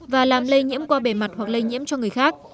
và làm lây nhiễm qua bề mặt hoặc lây nhiễm cho người khác